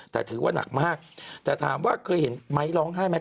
แต่ถือว่าหนักมากแต่ถามว่าเคยเห็นไม้ร้องไห้ไหม